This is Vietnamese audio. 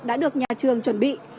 đã được nhà trường chuẩn bị